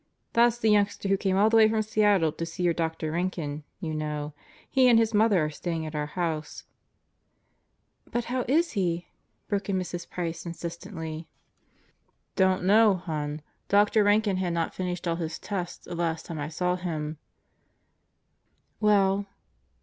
"That's the youngster who came all the way from Seattle to see your Dr. Rankin, you know. He and his mother are staying at our house." "But how is he?" broke in Mrs. Price insistently. 10 God Goes to Murderers Roto "Don't know, hon. Dr. Rankin had not finished all his tests the last time I saw him," "Well